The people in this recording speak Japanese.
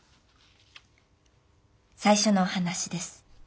最初のお話です。